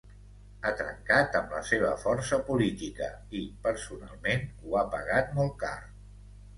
Ha trencat amb la seva força política i personalment ho ha pagat molt car.